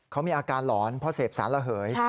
เขามีอาการหลอนเพราะเสพสารระเหย